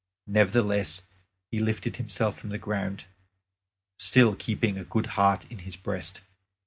Nevertheless he lifted himself from the ground, still keeping a good heart in his breast.